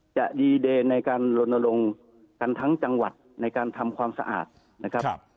จะดีเดย์ในการลนลงกันทั้งจังหวัดในการทำความสะอาดนะครับ